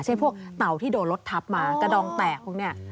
พวกเต่าที่โดนรถทับมากระดองแตกพวกนี้